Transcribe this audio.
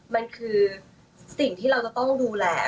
มันคือสิ่งที่เราจะต้องดูแล